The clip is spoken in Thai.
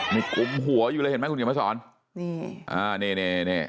มีกลุ่มหัวอยู่เลยเห็นมั้ยขุมเหลียดมันสอนนี่อ่านี่นี่นี่